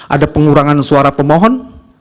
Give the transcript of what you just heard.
ada pengurangan suara pemohon